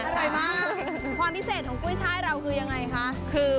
เป็นกันเองครับตั้งเลย